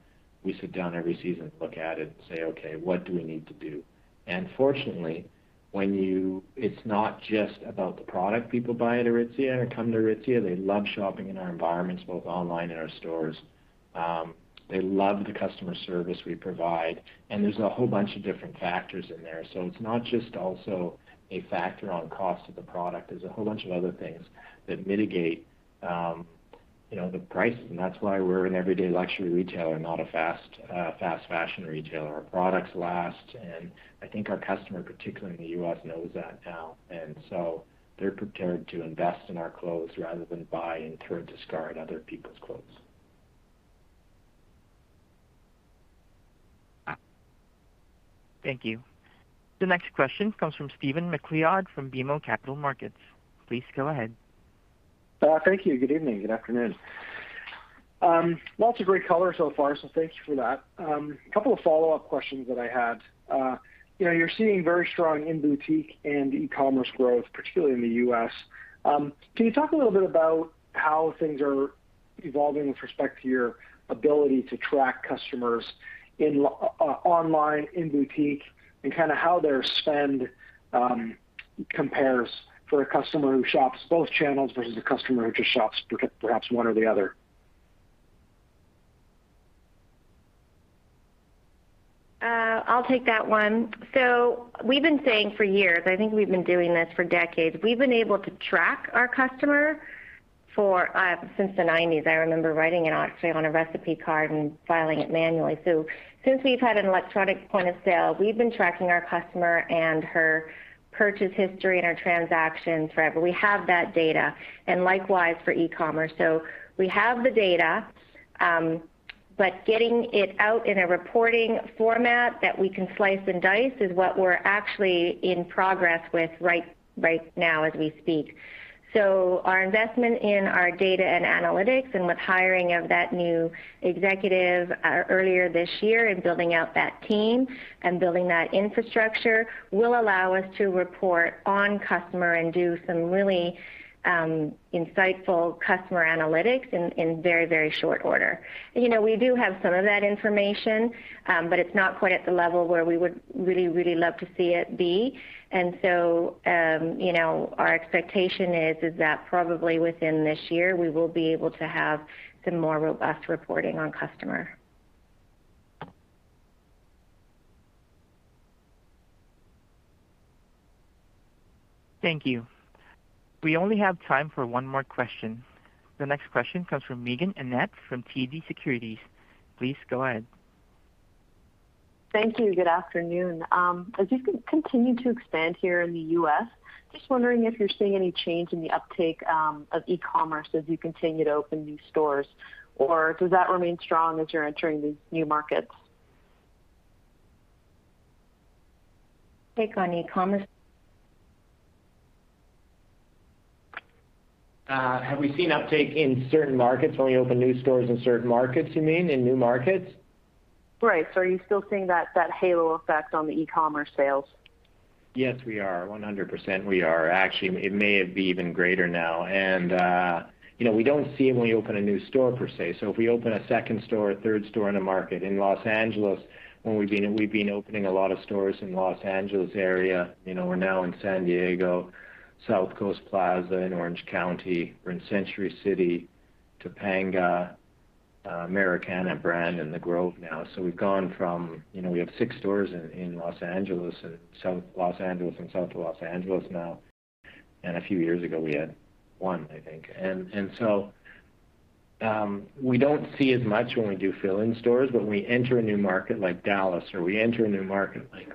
We sit down every season, look at it and say, okay, what do we need to do? Fortunately, it's not just about the product people buy at Aritzia or come to Aritzia. They love shopping in our environments, both online and our stores. They love the customer service we provide, and there's a whole bunch of different factors in there. It's not just also a factor on cost of the product. There's a whole bunch of other things that mitigate the price. That's why we're an everyday luxury retailer, not a fast fashion retailer. Our products last, and I think our customer, particularly in the U.S., knows that now. They're prepared to invest in our clothes rather than buy and throw discard other people's clothes. Thank you. The next question comes from Stephen MacLeod from BMO Capital Markets. Please go ahead. Thank you. Good evening. Good afternoon. Lots of great color so far, so thank you for that. Couple of follow-up questions that I had. You're seeing very strong in boutique and e-commerce growth, particularly in the U.S. Can you talk a little bit about how things are evolving with respect to your ability to track customers online, in boutique, and how their spend compares for a customer who shops both channels versus a customer who just shops perhaps one or the other? I'll take that one. We've been saying for years, I think we've been doing this for decades, we've been able to track our customer since the '90s. I remember writing it actually on a recipe card and filing it manually. Since we've had an electronic point of sale, we've been tracking our customer and her purchase history and her transactions forever. We have that data, likewise for e-commerce. We have the data, but getting it out in a reporting format that we can slice and dice is what we're actually in progress with right now as we speak. Our investment in our data and analytics, with hiring of that new executive earlier this year and building out that team and building that infrastructure will allow us to report on customer and do some really insightful customer analytics in very short order. We do have some of that information, but it's not quite at the level where we would really love to see it be. Our expectation is that probably within this year, we will be able to have some more robust reporting on customer. Thank you. We only have time for one more question. The next question comes from Meaghen Annett from TD Cowen. Please go ahead. Thank you. Good afternoon. As you continue to expand here in the U.S., just wondering if you're seeing any change in the uptake of e-commerce as you continue to open new stores, or does that remain strong as you're entering these new markets? Take on e-commerce. Have we seen uptake in certain markets when we open new stores in certain markets, you mean, in new markets? Right. Are you still seeing that halo effect on the e-commerce sales? Yes, we are, 100% we are. Actually, it may be even greater now. We don't see when we open a new store per se. If we open a second store, a third store in a market. In Los Angeles, we've been opening a lot of stores in Los Angeles area. We're now in San Diego, South Coast Plaza in Orange County. We're in Century City, Topanga, Americana at Brand, and the Grove now. We have six stores in Los Angeles and South Los Angeles now, and a few years ago we had one, I think. We don't see as much when we do fill-in stores, but when we enter a new market like Dallas or we enter a new market like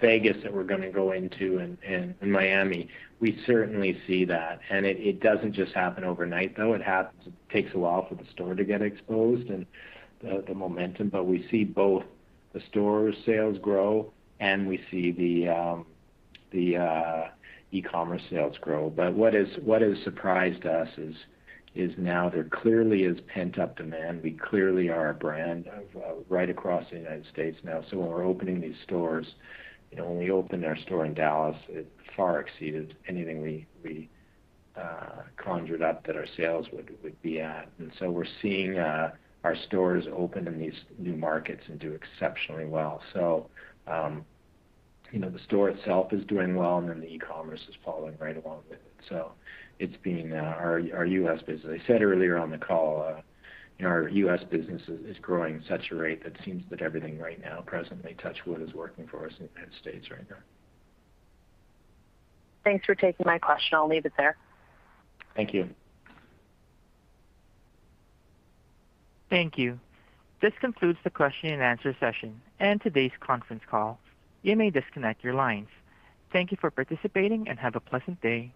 Vegas that we're going to go into and Miami, we certainly see that. It doesn't just happen overnight, though. It takes a while for the store to get exposed and the momentum. We see both the store sales grow and we see the e-commerce sales grow. What has surprised us is now there clearly is pent-up demand. We clearly are a brand right across the United States now. When we're opening these stores, when we opened our store in Dallas, it far exceeded anything we conjured up that our sales would be at. We're seeing our stores open in these new markets and do exceptionally well. The store itself is doing well, and then the e-commerce is following right along with it. Our U.S. business, as I said earlier on the call, our U.S. business is growing at such a rate that seems that everything right now presently touch wood is working for us in the United States right now. Thanks for taking my question. I'll leave it there. Thank you. Thank you. This concludes the question and answer session and today's conference call. You may disconnect your lines. Thank you for participating and have a pleasant day.